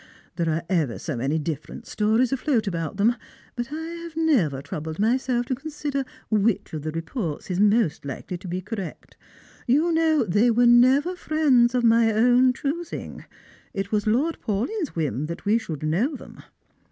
There are ever so many difi'erent stories afloat about them, but I have never troubled myself to consider which of the reports is most likely to be cor rect. You know they never were friends of my own choosing. It was Lord Paulyn's whim that we should know them."